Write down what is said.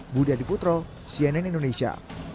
budi adiputro cnn indonesia